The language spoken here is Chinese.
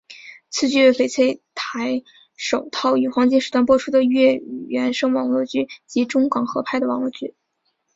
此剧为翡翠台首套于黄金时段播出的粤语原声网络剧及中港合拍网络剧。